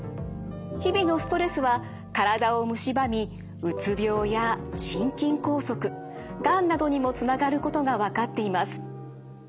日々のストレスは体をむしばみうつ病や心筋梗塞がんなどにもつながることがわかっています。